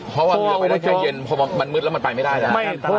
เพราะว่าเรือไปได้ใจเย็นมันมืดแล้วมันไปไม่ได้